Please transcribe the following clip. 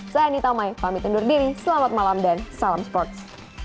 saya anita mai pamit undur diri selamat malam dan salam sports